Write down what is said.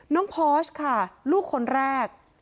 พอร์ชค่ะลูกคนแรก